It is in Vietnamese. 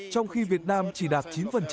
trong khi việt nam chỉ đạt chín